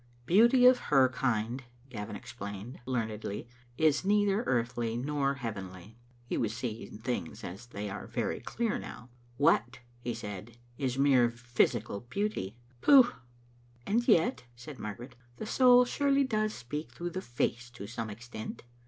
"Beauty of her kind," Gavin explained learnedly, "is neither earthly nor heavenly." He was iseeing things as they are very clearly now. " What,'* he said, " is mere physical beauty? Pooh !" "And yet," said Margaret, "thcN'Soul surely does speak through the face to some, extent."